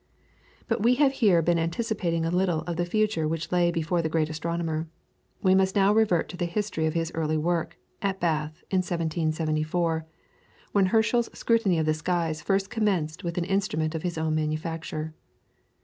But we have here been anticipating a little of the future which lay before the great astronomer; we must now revert to the history of his early work, at Bath, in 1774, when Herschel's scrutiny of the skies first commenced with an instrument of his own manufacture.